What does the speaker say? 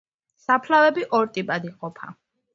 საფლავები ორ ტიპად იყოფა.